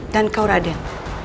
dan kau raden